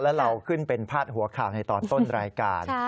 แล้วเราขึ้นเป็นพาดหัวข่าวในตอนต้นรายการ